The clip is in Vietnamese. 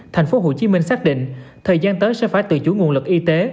tp hcm xác định thời gian tới sẽ phải từ chủ nguồn lực y tế